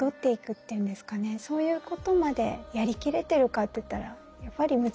そういうことまでやりきれてるかといったらやっぱり難しいですよね。